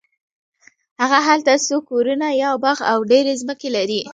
هغه هلته څو کورونه یو باغ او ډېرې ځمکې لري.